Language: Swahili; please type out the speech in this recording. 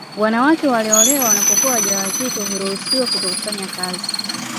Wanawake walioolewa wanapokuwa wajawazito huruhusiwa kutofanya kazi